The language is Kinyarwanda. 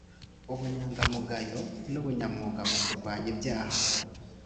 ubunyamugayo n’ubunyamwuga mu kurwanya ibyaha